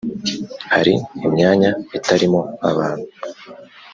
Hari imyanya itarimo abantu .